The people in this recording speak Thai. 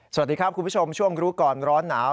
สวัสดีครับคุณผู้ชมช่วงรู้ก่อนร้อนหนาว